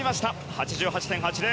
８８．８０。